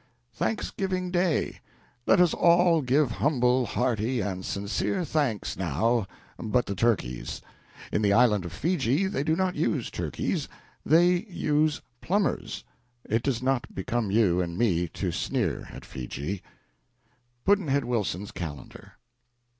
Thanksgiving Day. Let all give humble, hearty, and sincere thanks, now, but the turkeys. In the island of Fiji they do not use turkeys; they use plumbers. It does not become you and me to sneer at Fiji. Pudd'nhead Wilson's Calendar.